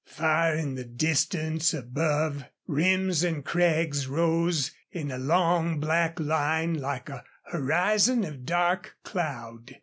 Far in the distance above rims and crags rose in a long, black line like a horizon of dark cloud.